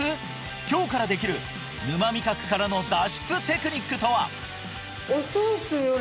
今日からできる沼味覚からの脱出テクニックとは？